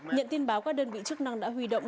nhận tin báo các đơn vị chức năng đã huy động